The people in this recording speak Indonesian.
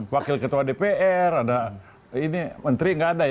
wakil ketua dpr ada ini menteri nggak ada ya